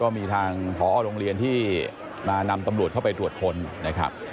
มีทางพอโรงเรียนที่มานำตำรวจเข้าไปตรวจค้นนะครับ